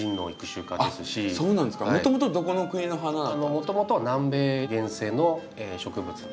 もともとは南米原生の植物。